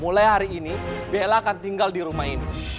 mulai hari ini bella akan tinggal di rumah ini